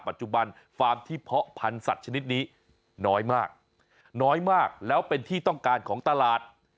ปัจจุบันฟาร์มที่เพาะพันธุ์สัตว์ชนิดนี้น้อยมากน้อยมากแล้วเป็นที่ต้องการของตลาด